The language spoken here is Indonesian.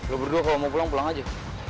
lu berdua kalau mau pulang pulang aja